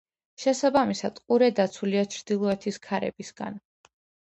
შესაბამისად, ყურე დაცულია ჩრდილოეთის ქარებისგან.